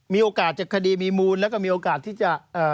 มีโอกาสจะคดีมีมูลแล้วก็มีโอกาสที่จะ